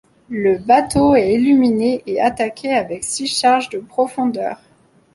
Le bateau est illuminé et attaqué avec six charges de profondeur.